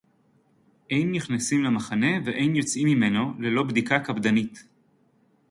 אֵין נִכְנָסִים לַמַּחֲנֶה וְאֵין יוֹצְאִים מִמֶּנּוּ לְלֹא בְּדִיקָה קַפְּדָנִית.